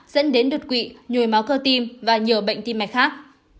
dẫn đến đột quỵ nhồi máu cơ tim và nhiều bệnh tim mạch khác